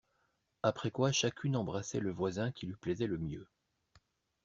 Après quoi chacune embrassait le voisin qui lui plaisait le mieux.